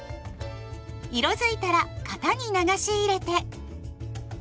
色づいたら型に流し入れて。